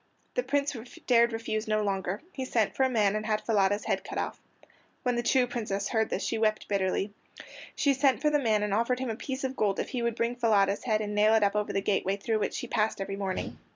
The Prince dared refuse no longer. He sent for a man and had Falada's head cut off. When the true Princess heard this she wept bitterly. She sent for the man and offered him a piece of gold if he would bring Falada's head and nail it up over the gateway through which she passed every morning.